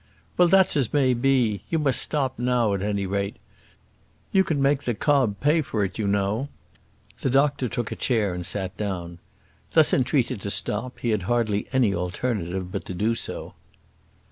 "Well, that's as may be. You must stop now, at any rate. You can make the cob pay for it, you know." The doctor took a chair and sat down. Thus entreated to stop, he had hardly any alternative but to do so.